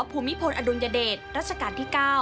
ภูมิพลอดุลยเดชรัชกาลที่๙